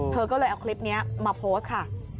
เธอก็เลยเอาคลิปนี้มาโพสต์ค่ะ